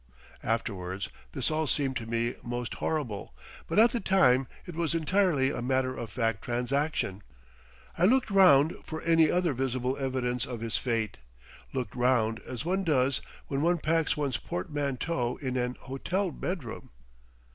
Afterwards this all seemed to me most horrible, but at the time it was entirely a matter of fact transaction. I looked round for any other visible evidence of his fate, looked round as one does when one packs one's portmanteau in an hotel bedroom.